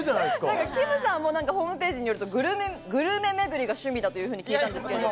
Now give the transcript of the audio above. きむさんもホームページによると、グルメめぐりが趣味だというふうに聞いてるんですけど。